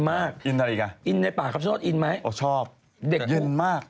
อันนี้อินมาก